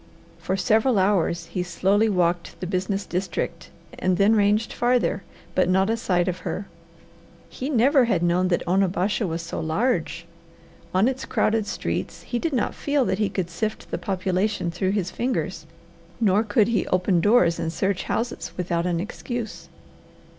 For several hours he slowly walked the business district and then ranged farther, but not a sight of her. He never had known that Onabasha was so large. On its crowded streets he did not feel that he could sift the population through his fingers, nor could he open doors and search houses without an excuse.